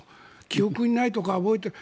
記憶にないとか覚えてない。